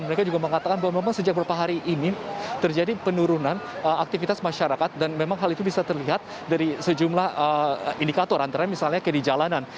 mereka juga mengatakan bahwa memang sejak beberapa hari ini terjadi penurunan aktivitas masyarakat dan memang hal itu bisa terlihat dari sejumlah indikator antara misalnya ke di jalanan